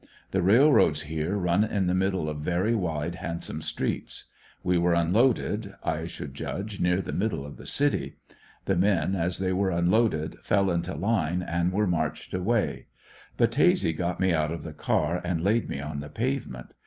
The railroads here run in the middle of very wide, handsome streets. We were unloaded, I should judge, near the middle of the city. The men as they were unloaded, fell into line and were marched away. Battese got me out of the car, and laid me on the payement.